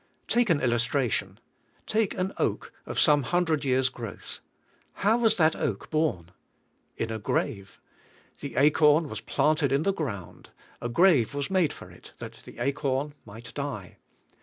Take an illustration. Take an oak of some hundred years' growth. How was that oak born ? In a grave. The acorn was planted in the ground, a grave was made for it that the acorn might die.